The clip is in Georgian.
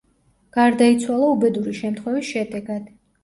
გარდაიცვალა უბედური შემთხვევის შედეგად.